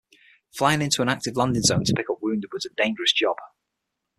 Flying into an active landing zone to pick up wounded was a dangerous job.